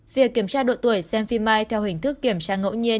việc kiểm tra độ tuổi xem phim mai theo hình thức kiểm tra ngẫu nhiên